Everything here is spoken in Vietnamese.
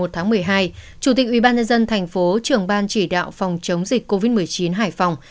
tháng một mươi hai chủ tịch ubnd thành phố trưởng ban chỉ đạo phòng chống dịch covid một mươi chín hải phòng